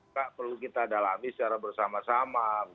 tidak perlu kita dalami secara bersama sama